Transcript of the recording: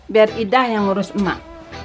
biar ida yang ngurus mak